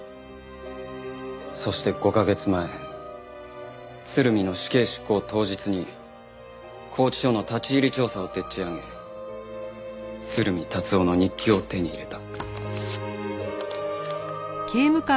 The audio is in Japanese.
そして５カ月前鶴見の死刑執行当日に拘置所の立ち入り調査をでっち上げ鶴見達男の日記を手に入れた。